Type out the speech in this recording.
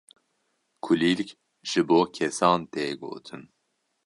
kulîlk ji bo kesan tê gotin.